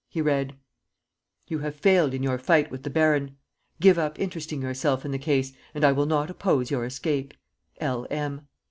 He read: "You have failed in your fight with the baron. Give up interesting yourself in the case, and I will not oppose your escape. "L. M."